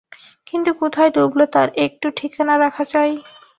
কিন্তু কোথায় ডুবল তার একটু ঠিকানা রাখা চাই।